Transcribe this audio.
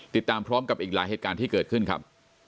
ติดตามพร้อมกับอีกหลายเหตุการณ์ที่เกิดขึ้นครับ